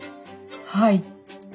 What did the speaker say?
はい。